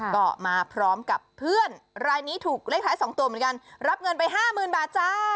ก็มาพร้อมกับเพื่อนรายนี้ถูกเลขท้าย๒ตัวเหมือนกันรับเงินไปห้าหมื่นบาทจ้า